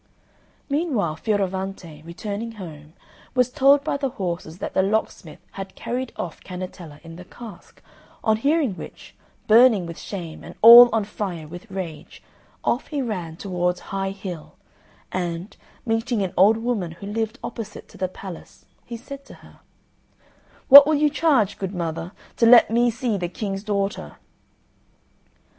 Meanwhile Fioravante, returning home, was told by the horses that the locksmith had carried off Cannetella in the cask, on hearing which, burning with shame, and all on fire with rage, off he ran towards High Hill, and, meeting an old woman who lived opposite to the palace, he said to her, "What will you charge, good mother, to let me see the King's daughter?"